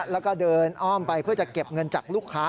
แล้วก็เดินอ้อมไปเพื่อจะเก็บเงินจากลูกค้า